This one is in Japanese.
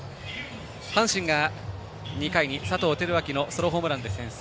阪神が、２回に佐藤輝明のソロホームランで先制。